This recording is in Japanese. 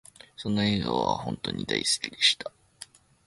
その笑顔が本とに大好きでした